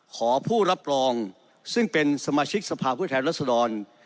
ขอผู้รับรองซึ่งเป็นสมาชิกสภาพผู้แทนรัศดร